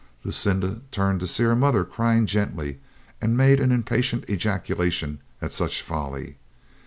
Lucinda turned to see her mother crying gently, and made an impatient ejaculation at such folly.